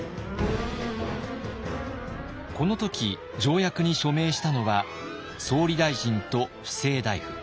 この時条約に署名したのは総理大臣と布政大夫。